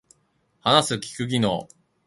話す聞く技能